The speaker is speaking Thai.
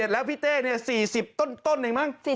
แล้วพี่เต้๔๐ต้นเองมั้ง